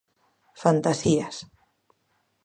Fantasías.